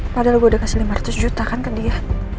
padahal gue udah kasih lima ratus juta kan ke dia